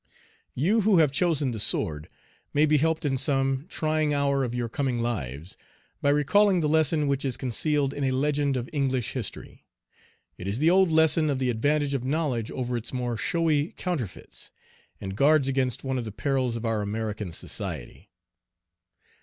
You who have chosen the sword, may be helped in some trying hour of your coming lives by recalling the lesson which is concealed in a legend of English history. It is the old lesson of the advantage of knowledge over its more showy counterfeits, and guards against one of the perils of our American society.